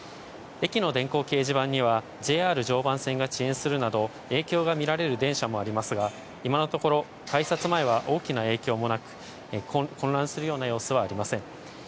駅の電光掲示板にはＪＲ常磐線が遅延するなど、影響がみられる電車もありますが、今のところ改札前は大きな影響もなく、混乱するような様子はありません。